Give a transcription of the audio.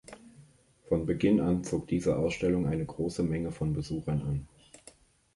Von Beginn an zog diese Ausstellung eine große Menge von Besuchern an.